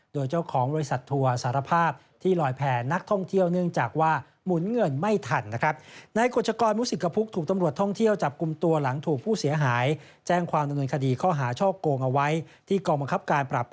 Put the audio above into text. โดยเจ้าของบริษัททัวร์สารภาพที่ลอยแผ่นักท่องเที่ยวเนื่องจากว่าหมุนเงินไม่ทันนะครับ